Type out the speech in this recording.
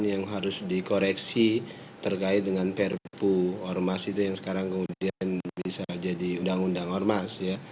yang harus dikoreksi terkait dengan perpu ormas itu yang sekarang kemudian bisa jadi undang undang ormas